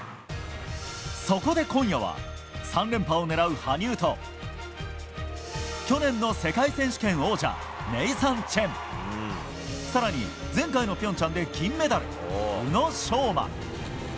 そこで今夜は３連覇を狙う羽生と去年の世界選手権王者ネイサン・チェン更に前回の平昌で銀メダル宇野昌磨